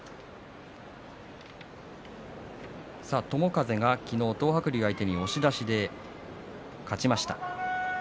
友風は昨日、東白龍相手に押し出しで勝ちました。